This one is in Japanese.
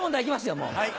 もう。